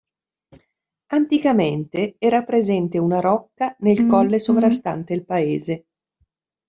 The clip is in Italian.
Anticamente era presente una rocca nel colle sovrastante il paese.